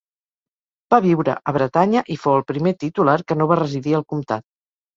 Va viure a Bretanya i fou el primer titular que no va residir al comtat.